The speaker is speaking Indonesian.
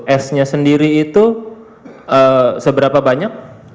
esnya sendiri itu seberapa banyak